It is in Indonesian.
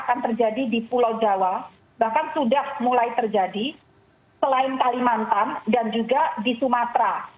akan terjadi di pulau jawa bahkan sudah mulai terjadi selain kalimantan dan juga di sumatera